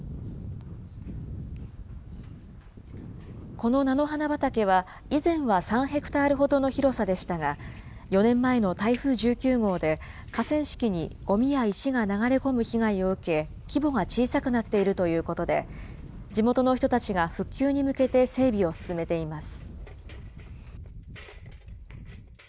この菜の花畑は、以前は３ヘクタールほどの広さでしたが、４年前の台風１９号で、河川敷にごみや石が流れ込む被害を受け、規模が小さくなっているということで、地元の人たちが復旧に向けて整備を進めています。